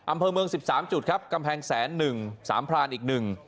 อำเภอเมือง๑๓จุดครับกำแพงแสนหนึ่งสามพรานอีกหนึ่ง